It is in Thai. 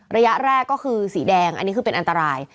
ระยะแรกก็คือสีแดงอันนี้คือเป็นอันตราย